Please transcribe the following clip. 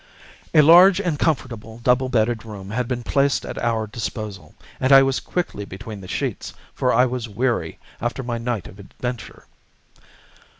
A large and comfortable double bedded room had been placed at our disposal, and I was quickly between the sheets, for I was weary after my night of adventure.